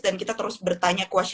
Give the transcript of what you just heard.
dan kita terus bertanya tanya